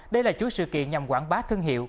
đây là chuỗi sự kiện nhằm quảng bá thương hiệu